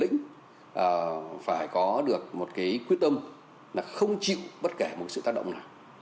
nó được một quyết tâm là không chịu bất kể một sự tác động nào